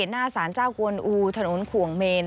หน้าสารเจ้ากวนอูถนนขวงเมน